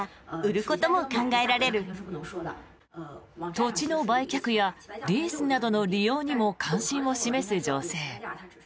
土地の売却やリースなどの利用にも関心を示す女性。